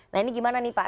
nah ini gimana nih pak